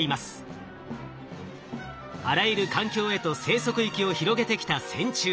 あらゆる環境へと生息域を広げてきた線虫。